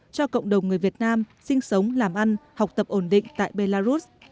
cho cộng đồng người việt nam sinh sống làm ăn học tập ổn định tại belarus